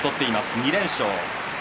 ２連勝。